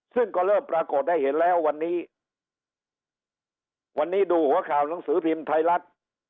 ซึ่งก็เริ่มปรากฏให้เห็นแล้ววันนี้วันนี้ดูหัวข่าวหนังสือพิมพ์ไทยรัฐ